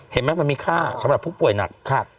เห็นไหมมันมีค่าสำหรับผู้ป่วยหนัก